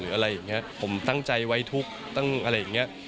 อะไรอย่างนี้ผมตั้งใจไว้ทุกข์ตั้งอะไรอย่างเงี้ย